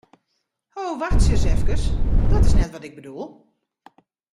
Ho, wachtsje ris efkes, dat is net wat ik bedoel!